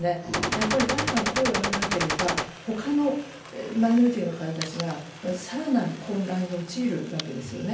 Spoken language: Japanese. やっぱり誰かが声を上げなければ他のマイノリティーの方たちが更なる混乱に陥るわけですよね。